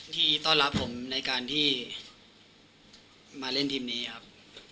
ที่ต้อนรับผมในการที่มาเล่นทีมนี้ครับ